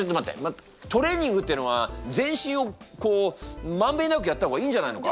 トレーニングっていうのは全身をこう満遍なくやった方がいいんじゃないのか？